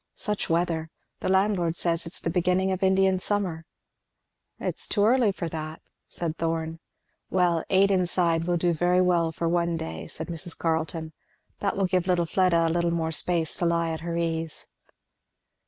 Such weather. The landlord says it's the beginning of Indian summer." "It's too early for that," said Thorn. "Well, eight inside will do very well for one day," said Mrs. Carleton. "That will give little Fleda a little more space to lie at her ease."